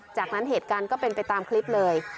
จากนั้นเหตุการณ์ก็เป็นไปตามคลิปเลย